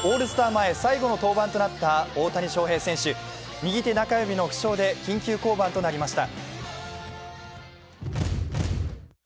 前、最後の登板となった大谷翔平選手、右手中指の負傷で緊急降板となりました。